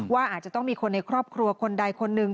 ว่าอาจจะต้องมีคนในครอบครัวคนใดคนหนึ่ง